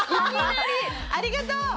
ありがとう。